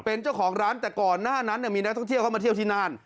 เป็นเจ้าของร้านแต่ก่อนหน้านั้นมีนักท่องเที่ยวเข้ามาเที่ยวที่น่าน